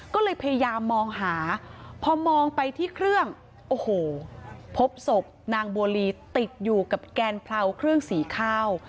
ก็เลยพยายามมองหาพอมองไปที่เครื่องโอ้โหพบศพนางบัวลีติดอยู่กับแกนเพราเครื่องสีข้าว